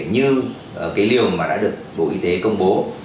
như cái điều mà đã được bộ y tế công bố